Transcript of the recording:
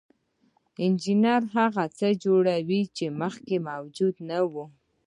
انجینر هغه څه جوړوي چې مخکې موجود نه وو.